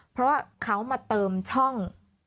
เพราะว่าเขามาเติมช่อง